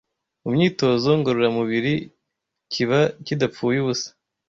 mu myitozo ngororamubiri kiba kidapfuye ubusa